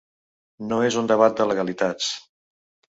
No és un debat de legalitats.